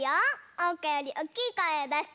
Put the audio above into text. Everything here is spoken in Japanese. おうかよりおおきいこえをだしてね。